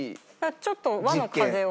ちょっと和の風を。